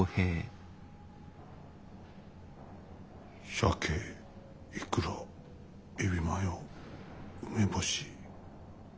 鮭いくらエビマヨ梅干し。